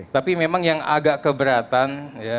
tapi memang yang agak keberatan